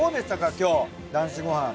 今日『男子ごはん』。